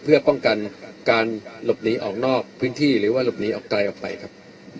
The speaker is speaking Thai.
เพื่อป้องกันการหลบหนีออกนอกพื้นที่หรือว่าหลบหนีออกไกลออกไปครับ